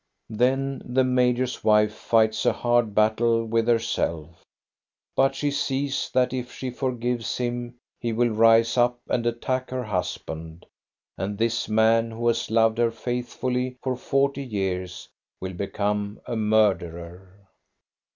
" Then the major's wife fights a hard battle with herself; but she sees that if she forgives him he will rise up and attack her husband ; and this man, who has loved her faithfully for forty years will become a murderer.